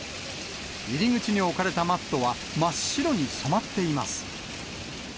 入り口に置かれたマットは真っ白に染まっています。